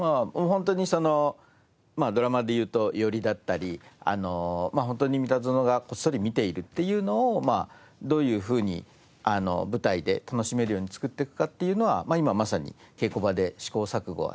ホントにそのドラマでいうと寄りだったりホントに三田園がこっそり見ているっていうのをどういうふうに舞台で楽しめるように作っていくかっていうのは今まさに稽古場で試行錯誤はしてるので。